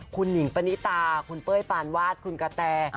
คุณหนิงปณิตาคุณเป้ยปานวาดคุณกะแต